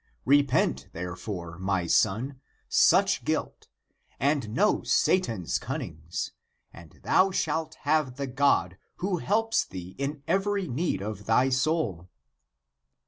Repent, therefore, my son, such guilt, and know Satan's cunnings, and thou shalt have the God, who helps thee in every need of thy soul."